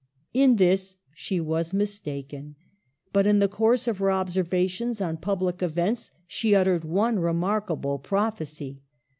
In this she was mistaken ; but in the course of her observations on public events she uttered one remarkable prophecy.